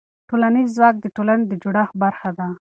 ټولنیز ځواک د ټولنې د جوړښت برخه ده.